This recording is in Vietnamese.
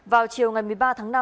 vào chiều ngày một mươi ba tháng năm